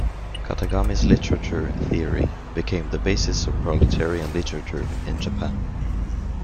Katagami's literature theory became the basis of proletarian literature in Japan.